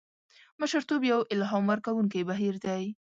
مشرتوب یو الهام ورکوونکی بهیر دی.